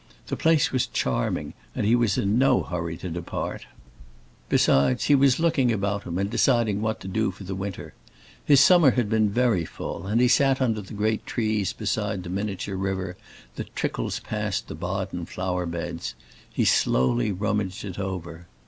The place was charming, and he was in no hurry to depart; besides, he was looking about him and deciding what to do for the winter. His summer had been very full, and he sat under the great trees beside the miniature river that trickles past the Baden flower beds, he slowly rummaged it over.